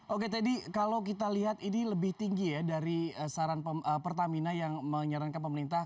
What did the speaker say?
oke teddy kalau kita lihat ini lebih tinggi ya dari saran pertamina yang menyarankan pemerintah